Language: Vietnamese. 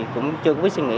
cũng chưa biết suy nghĩ